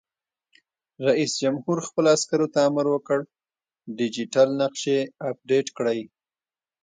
رئیس جمهور خپلو عسکرو ته امر وکړ؛ ډیجیټل نقشې اپډېټ کړئ!